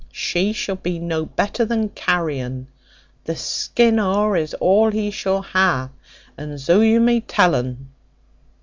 She shall be no better than carrion: the skin o'er is all he shall ha, and zu you may tell un."